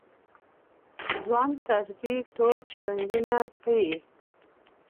ځوان طرزی ټول چلنجونه پېيي.